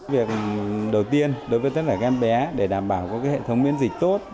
việc đầu tiên đối với tất cả các em bé để đảm bảo có hệ thống miễn dịch tốt